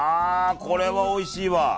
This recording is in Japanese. これはおいしいわ。